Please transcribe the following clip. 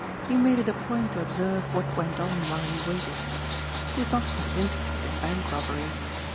He made it a point to observe what went on while he waited. He was not much interested in bank robberies.